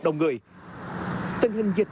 đông người tình hình dịch